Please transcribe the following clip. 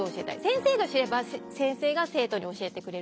先生が知れば先生が生徒に教えてくれるだろうし。